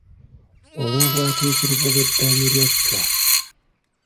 Olw'obwatiikirivu bw’eddaame lya Chwa.